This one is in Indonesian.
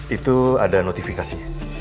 itu ada notifikasi